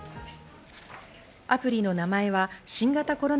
アプリの名前は新型コロナ